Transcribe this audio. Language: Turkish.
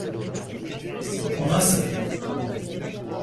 O nasıl?